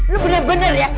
lu bener bener ya